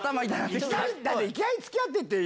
いきなりつきあってって。